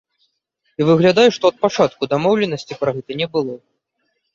І выглядае, што ад пачатку дамоўленасці пра гэта не было.